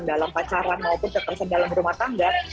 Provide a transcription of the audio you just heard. dalam pacaran maupun kekerasan dalam rumah tangga